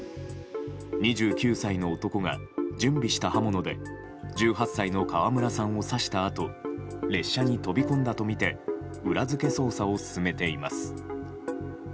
２９歳の男が準備した刃物で１８歳の川村さんを刺したあと列車に飛び込んだとみて裏付け捜査を進めています。